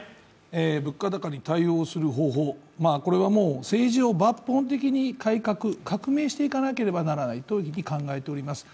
物価高に対応する方法、これはもう政治を抜本的に改革、革命していかなければならないと考えています